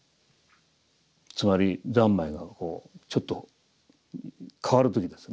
つまり三昧がちょっと変わる時ですね。